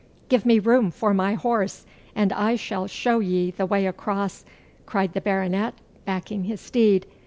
'Give me room for my horse, and I shall show ye the way across!' cried the Baronet, backing his steed.